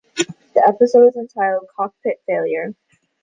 The episode is entitled "Cockpit Failure".